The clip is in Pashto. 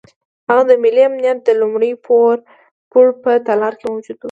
هغه د ملي امنیت د لومړي پوړ په تالار کې موجود وو.